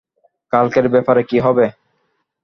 কালকের ব্যাপারে কী হবে?